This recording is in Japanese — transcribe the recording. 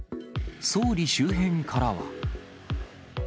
総理周辺からは。